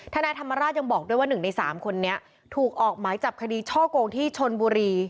นายธรรมราชยังบอกด้วยว่า๑ใน๓คนนี้ถูกออกหมายจับคดีช่อกงที่ชนบุรี